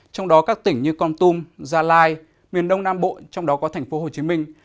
trong đó các tỉnh như con tum gia lai miền đông nam bộ trong đó có thành phố hồ chí minh